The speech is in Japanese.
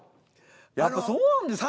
やっぱそうなんですか。